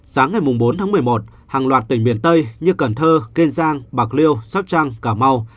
sáng ngày bốn tháng một mươi một hàng loạt tỉnh miền tây như cần thơ kiên giang bạc liêu sóc trăng cà mau